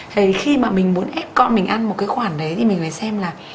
thì khi mà mình muốn ép con mình ăn một cái khoản đấy thì mình lại xem là